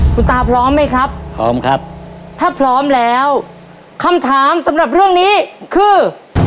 คุณตาพร้อมไหมครับพร้อมครับถ้าพร้อมแล้วคำถามสำหรับเรื่องนี้คือ